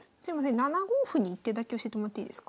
７五歩に１手だけ教えてもらっていいですか？